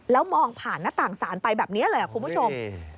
แล้วมองผ่านหน้าต่างศาลไปแบบนี้เลยคุณผู้ชม